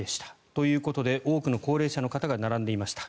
ということで多くの高齢者の方が並んでいました。